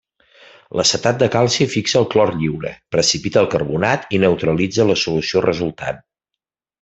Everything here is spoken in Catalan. L'acetat de calci fixa el clor lliure, precipita el carbonat i neutralitza la solució resultant.